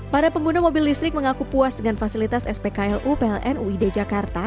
para pengguna mobil listrik mengaku puas dengan fasilitas spklu pln uid jakarta